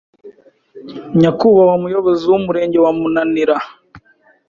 Nyakuahwa Muyobozi w’Umurenge wa Munanira